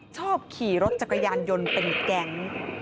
ชอบขี่รถจักรยานยนต์เป็นแก๊ง